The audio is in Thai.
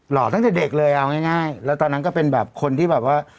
ห่อตั้งแต่เด็กเลยเอาง่ายแล้วตอนนั้นก็เป็นแบบคนที่แบบว่า